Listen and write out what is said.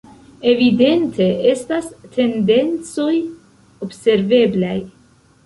Evidente estas tendencoj observeblaj.